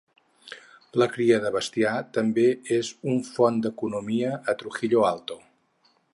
La cria de bestiar també és un font d"economia a Trujillo Alto.